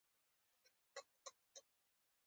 رسۍ د بندیز علامه هم ده.